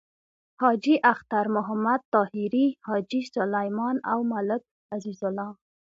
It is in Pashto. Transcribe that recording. حاجی اختر محمد طاهري، حاجی سلیمان او ملک عزیز الله…